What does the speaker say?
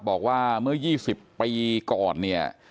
บอกว่าเมื่อ๒๐ปีก่อนเนี่ย